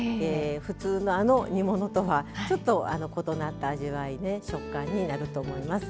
普通のあの煮物とはちょっと異なった味わいで食感になると思います。